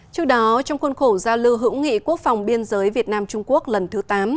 trước đó trong khuôn khổ giao lưu hữu nghị quốc phòng biên giới việt nam trung quốc lần thứ tám